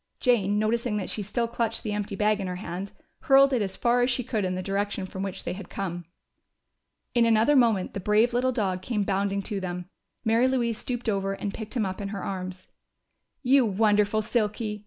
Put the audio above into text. Jane, noticing that she still clutched the empty bag in her hand, hurled it as far as she could in the direction from which they had come. In another moment the brave little dog came bounding to them. Mary Louise stooped over and picked him up in her arms. "You wonderful Silky!"